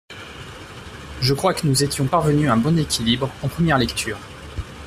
Je crois que nous étions parvenus à un bon équilibre en première lecture.